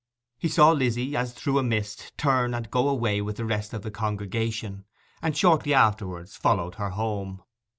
He saw Lizzy, as through a mist, turn and go away with the rest of the congregation; and shortly afterwards followed her home.